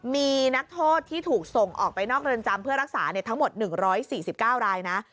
มีนักโทษที่ถูกส่งออกไปนอกเรือนจำเพื่อรักษาทั้งหมด๑๔๙รายนะ